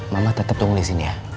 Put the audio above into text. mama tetap tunggu di sini ya